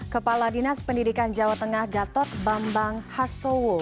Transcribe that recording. kepala dinas pendidikan jawa tengah gatot bambang hastowo